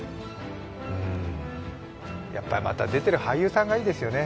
やっぱりまた出ている俳優さんがいいですよね。